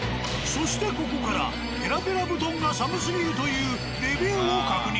そしてここからペラペラ布団が寒すぎるというレビューを確認。